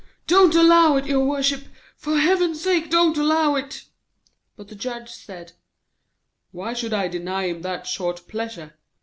'Don't allow it, your worship, for heaven's sake, don't allow it!' But the Judge said: 'Why should I deny him that short pleasure?